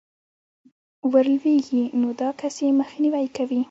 ورلوېږي، نو دا كس ئې مخنيوى كوي